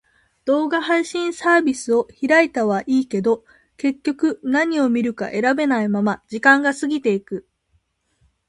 動画配信サービスを開いたはいいけど、結局何を見るか選べないまま時間が過ぎていく。